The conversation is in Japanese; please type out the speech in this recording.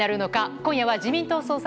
今夜は自民党総裁